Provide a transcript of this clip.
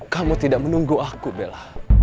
kamu tidak menunggu aku bella